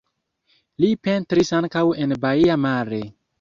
Li pentris ankaŭ en Baia Mare.